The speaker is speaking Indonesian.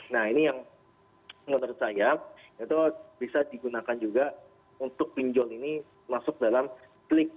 nah ini yang menurut saya itu bisa digunakan juga untuk pinjol ini masuk dalam klik